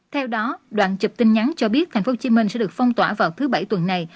theo đó đoạn chụp tin nhắn cho biết thành phố hồ chí minh sẽ được phong tỏa vào thứ bảy tuần này